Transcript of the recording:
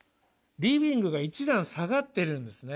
リビングが一段下がってるんですね。